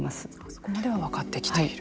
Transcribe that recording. そこまでは分かってきている？